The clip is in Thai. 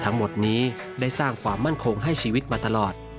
ทั้งหมดนี้ได้สร้างความมั่นคงให้ชีวิตมาตลอด